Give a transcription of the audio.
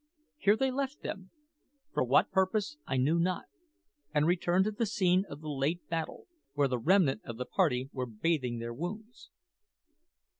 Here they left them, for what purpose I knew not, and returned to the scene of the late battle, where the remnant of the party were bathing their wounds.